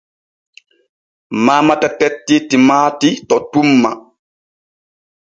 Mamata tettti timaati to tumma.